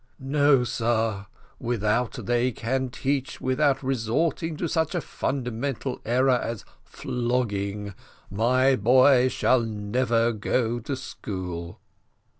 No, sir, without they can teach without resorting to such a fundamental error as flogging, my boy shall never go to school."